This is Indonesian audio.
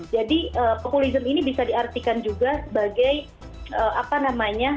jadi populisme ini bisa diartikan juga sebagai apa namanya